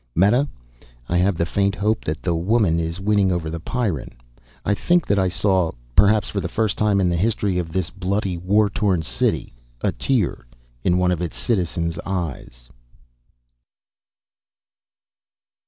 "Meta, I have the faint hope that the woman is winning over the Pyrran. I think that I saw perhaps for the first time in the history of this bloody war torn city a tear in one of its citizen's eyes."